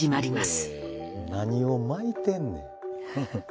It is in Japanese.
何を巻いてんねん。